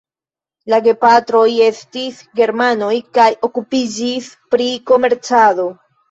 La gepatroj estis germanoj kaj okupiĝis pri komercado.